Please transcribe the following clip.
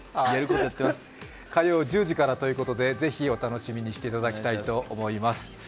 火曜１０時からということで、ぜひお楽しみにしていただきたいと思います。